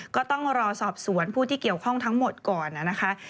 ก็ต้องรอสอบสวนผู้ที่เกี่ยวข้องทั้งหมดก่อนนะคะ